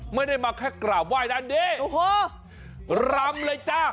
ไม่ได้มาแค่กราบไหว้ด้านนี้โอ้โหรำเลยจ้า